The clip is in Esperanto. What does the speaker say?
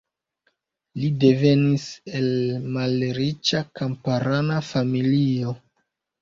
Li devenis el malriĉa kamparana familio.